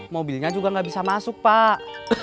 mobilnya juga nggak bisa masuk pak